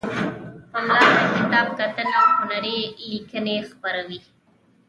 پملا د کتاب کتنه او هنری لیکنې نه خپروي.